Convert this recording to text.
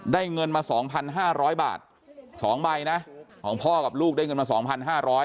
ได้เงินมาสองพันห้าร้อยบาทสองใบนะของพ่อกับลูกได้เงินมาสองพันห้าร้อย